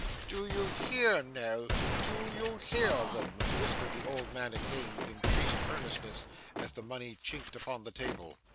'Do you hear, Nell, do you hear them?' whispered the old man again, with increased earnestness, as the money chinked upon the table.